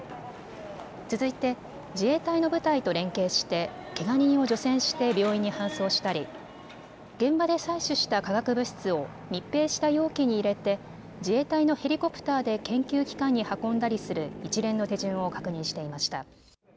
続いて自衛隊の部隊と連携してけが人を除染して病院に搬送したり現場で採取した化学物質を密閉した容器に入れて自衛隊のヘリコプターで研究機関に運んだりする一連の手順を確認していました。